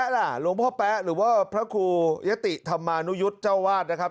ล่ะหลวงพ่อแป๊ะหรือว่าพระครูยะติธรรมานุยุทธ์เจ้าวาดนะครับ